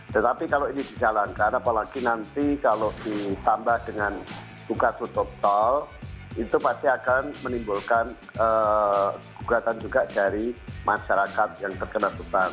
tetapi kalau ini dijalankan apalagi nanti kalau ditambah dengan buka tutup tol itu pasti akan menimbulkan gugatan juga dari masyarakat yang terkena beban